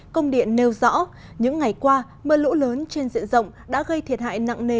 công điện nêu rõ những ngày qua mưa lũ lớn trên diện rộng đã gây thiệt hại nặng nề